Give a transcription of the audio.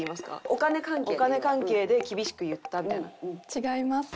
お金関係で厳しく言ったみたいな。